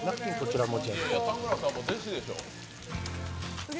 田村さんも弟子でしょう。